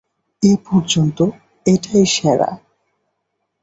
এ পর্যন্ত এটাই সেরা।